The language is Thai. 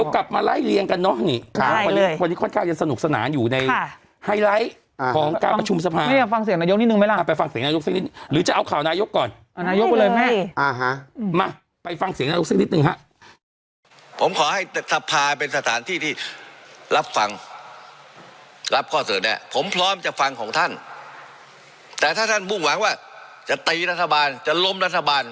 กลับมาไล่เรียงถึงขณะนายกเขาบอกว่าถ้ามุ่งหวังจะตีรัฐบาลจะล้มรัฐบาล